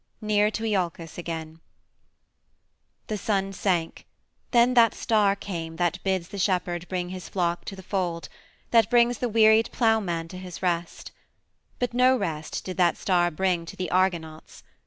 NEAR TO IOLCUS AGAIN The sun sank; then that star came that bids the shepherd bring his flock to the fold, that brings the wearied plowman to his rest. But no rest did that star bring to the Argonauts.